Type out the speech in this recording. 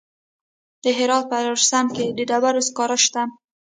د هرات په ادرسکن کې د ډبرو سکاره شته.